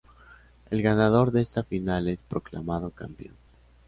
El ganador de esta final es proclamado campeón.